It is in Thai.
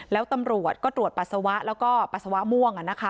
แล้วตำรวจก็ตรวจปัสสาวะแล้วก็ปัสสาวะม่วง